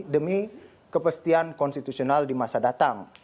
demi kepastian konstitusional di masa datang